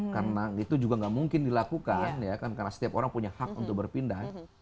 karena itu juga gak mungkin dilakukan ya karena setiap orang punya hak untuk berpindah